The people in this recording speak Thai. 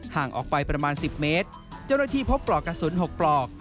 ห่างออกไปประมาณ๑๐เมตรเจ้าหน้าที่พบปลอกกระสุน๖ปลอก